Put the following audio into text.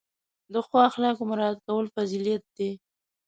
د ښو اخلاقو مراعت کول فضیلت دی.